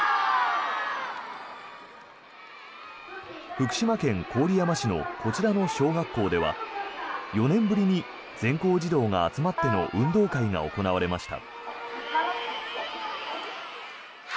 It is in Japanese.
福島県郡山市のこちらの小学校では４年ぶりに全校児童が集まっての運動会が行われました。